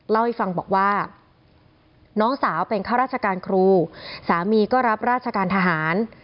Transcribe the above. เล่าให้ฟังบอกว่าน้องสาวเป็นข้าราชการครูสามีก็รับราชการทหาร